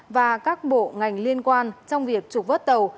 và các bộ ngành liên quan trong việc trục vớt tàu